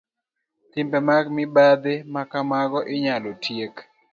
Timbe mag mibadhi ma kamago inyalo tiek